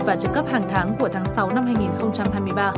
và trợ cấp hàng tháng của tháng sáu năm hai nghìn hai mươi ba